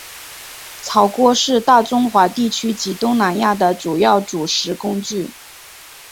炒锅是大中华地区及东南亚的主要煮食工具。